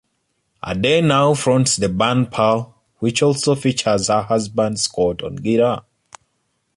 Aday now fronts the band Pearl which also features her husband Scott on guitar.